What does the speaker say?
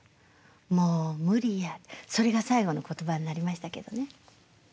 それが最後の言葉になりましたけどね。